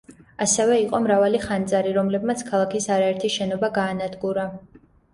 ასევე იყო მრავალი ხანძარი, რომლებმაც ქალაქის არაერთი შენობა გაანადგურა.